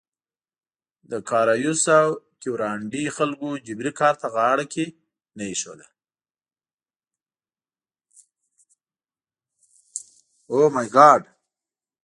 د کارایوس او کیورانډي خلکو جبري کار ته غاړه کې نه ایښوده.